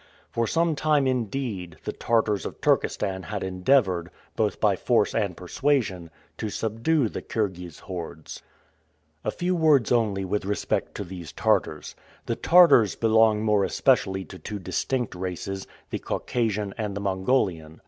For some time, indeed, the Tartars of Turkestan had endeavored, both by force and persuasion, to subdue the Kirghiz hordes. A few words only with respect to these Tartars. The Tartars belong more especially to two distinct races, the Caucasian and the Mongolian.